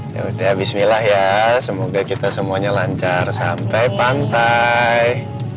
yaudah bismillah ya semoga kita semuanya lancar sampai pantai